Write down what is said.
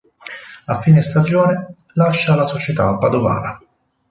A fine stagione lascia la società padovana.